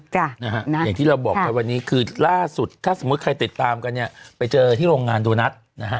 อย่างที่เราบอกไปวันนี้คือล่าสุดถ้าสมมุติใครติดตามกันเนี่ยไปเจอที่โรงงานโดนัทนะฮะ